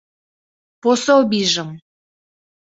— Пособийжым.